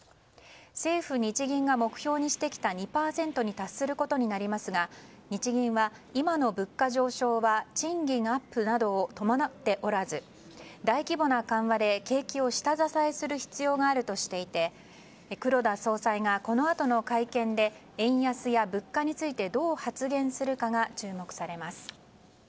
政府・日銀が目標にしてきた２％に達することになりますが日銀は今の物価上昇は賃金アップなどを伴っておらず大規模な緩和で景気を下支えする必要があるとしていて黒田総裁がこのあとの会見で円安や物価についてどう発言するかが注目されます。